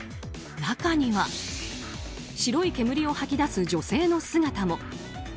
中には、白い煙を吐き出す女性の姿も。